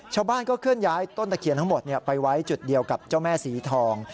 ชาวบ้านก็เคลื่อนย้ายต้นตะเคียนทั้งหมดไปไว้จุดเดียวกับเจ้าแม่สีทอง